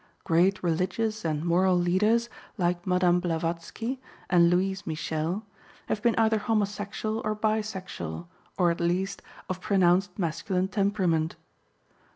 Great religious and moral leaders, like Madame Blavatsky and Louise Michel, have been either homosexual or bisexual or, at least, of pronounced masculine temperament.